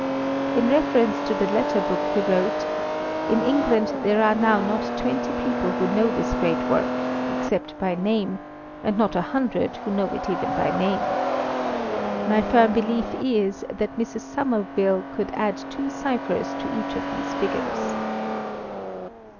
In reference to the latter book he wrote, "In England there are now not twenty people who know this great work, except by name, and not a hundred who know it even by name. My firm belief is that Mrs. Somerville could add two cyphers to each of these figures."